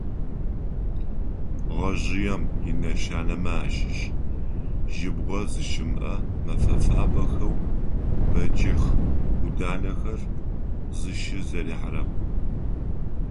Гъэжъыем инэшанэмэ ащыщ жьыбгъэ зыщымыӏэ мэфэ фабэхэу бэджыхъ ӏуданэхэр зыщызэрихьэрэм.